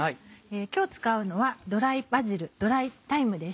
今日使うのはドライバジルドライタイムです。